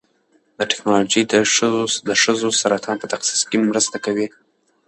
دا ټېکنالوژي د سږو سرطان په تشخیص کې مرسته کوي.